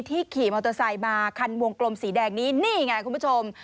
ขี่มอเตอร์ไซค์มาคันวงกลมสีแดงนี้นี่ไงคุณผู้ชม